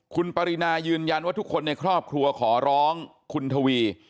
คุณปรินายืนยันว่าทุกคนในครอบครัวขอร้องคุณทวี